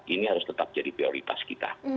ini harus tetap jadi prioritas kita